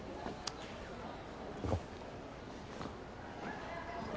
行こう。